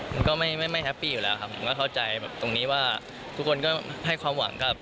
มันก็ไม่แฮปปี้อยู่แล้วครับผมก็เข้าใจตรงนี้ว่าทุกคนก็ให้ความหวังกับ